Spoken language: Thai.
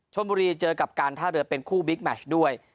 ชนบุรีเจอกับการท่าเรือเป็นคู่บิ๊กแมชด้วย